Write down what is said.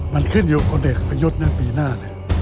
มันขึ้นอยู่คนเอกประยุทธ์นะปีหน้า